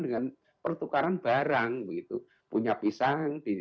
dengan pertukaran barang begitu punya pisang di